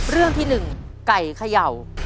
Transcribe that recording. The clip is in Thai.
เรื่องที่๑ไก่เขย่า